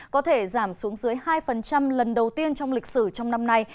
có thể giảm xuống dưới hai lần đầu tiên trong lịch sử trong năm nay